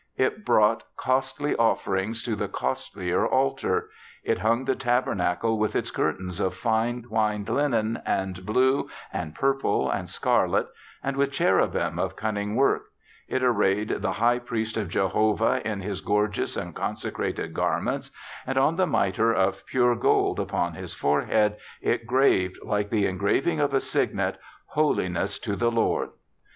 It brought costly offerings to the costlier altar ; it hung the tabernacle with its curtains of fine twined linen, and blue, and purple, and scarlet ; and with cherubim of cunning work ; it arrayed the high priest of Jehovah in his gorgeous and consecrated gar ELISHA BARTLETT 141 ments, and on the mitre of pure gold upon his forehead, it graved, Hke the engraving of a signet — HoHness to the Lord.